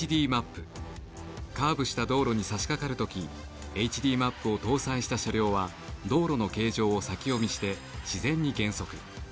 カーブした道路にさしかかる時ＨＤマップを搭載した車両は道路の形状を先読みして自然に減速。